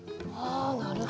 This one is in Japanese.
なるほど。